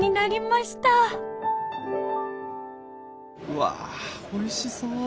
うわおいしそう！